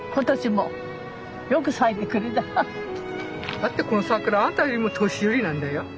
だってこの桜あんたよりも年寄りなんだよ。